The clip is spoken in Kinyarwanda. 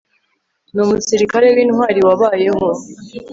Ni umusirikare wintwari wabayeho